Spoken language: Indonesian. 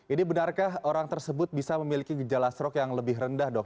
ini benarkah orang tersebut bisa memiliki gejala stroke yang lebih rendah dok